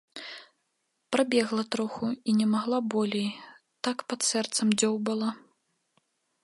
Прабегла троху і не магла болей, так пад сэрцам дзёўбала.